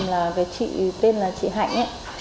cái chị tên là chị hạnh